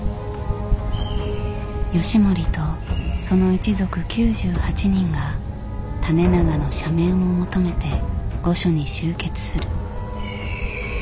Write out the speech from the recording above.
義盛とその一族９８人が胤長の赦免を求めて御所に集結する。